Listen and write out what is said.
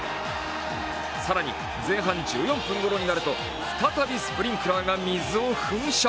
更に、前半１４分ごろになると再びスプリンクラーが水を噴射。